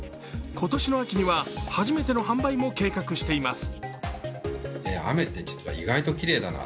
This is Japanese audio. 今年の秋には初めての販売も計画しています。